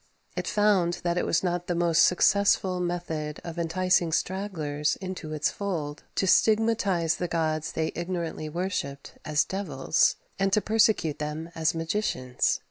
It found that it was not the most successful method of enticing stragglers into its fold to stigmatize the gods they ignorantly worshipped as devils, and to persecute them as magicians.